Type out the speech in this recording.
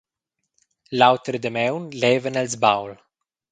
L’autra damaun levan els baul.